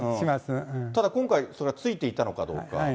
ただ今回、それはついていたのかどうか。